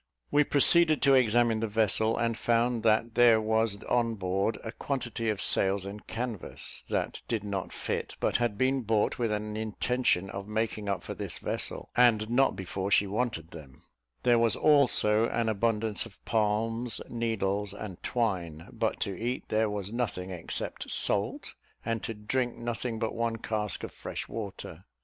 We proceeded to examine the vessel, and found that there was on board a quantity of sails and canvas, that did not fit, but had been bought with an intention of making up for this vessel, and not before she wanted them; there was also an abundance of palms, needles, and twine; but to eat, there was nothing except salt, and to drink, nothing but one cask of fresh water.